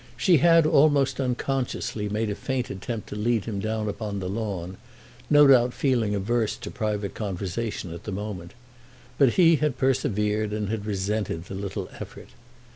She had, almost unconsciously, made a faint attempt to lead him down upon the lawn, no doubt feeling averse to private conversation at the moment; but he had persevered, and had resented the little effort.